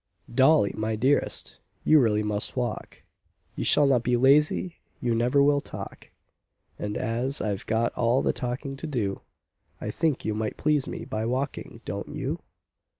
"Dolly, my dearest, you really must walk, You shall not be lazy, you never will talk; And, as I've got all the talking to do, I think you might please me by walking, don't you?